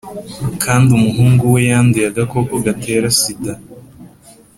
kandi umuhungu we yanduye agakoko gatera sida,